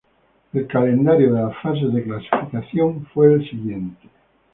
El calendario de las fases de clasificación fue el siguiente.